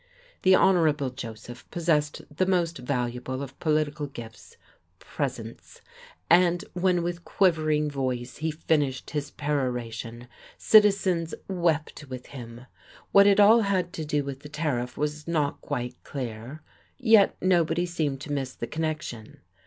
The Hon. Joseph possessed that most valuable of political gifts, presence; and when with quivering voice he finished his peroration, citizens wept with him. What it all had to do with the tariff was not quite clear. Yet nobody seemed to miss the connection.